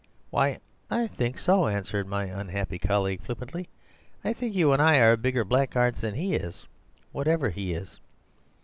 "'Why, I think so,' answered my unhappy colleague flippantly. 'I think you and I are bigger blackguards than he is, whatever he is.